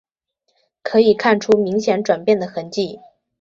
可以看出明显转变的痕迹